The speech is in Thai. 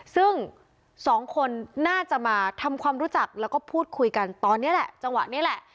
ซึ่งสองคนน่าจะมาทำความรู้จักแล้วก็พูดคุยกันตอนนี้แหละจังหวะนี้แหละ